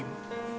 jangan pernah kau